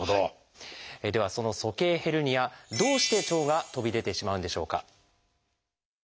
ではその鼠径ヘルニアどうして腸が飛び出てしまうんでしょうか。